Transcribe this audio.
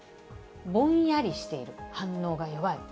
ぼんやりしている、反応が弱い。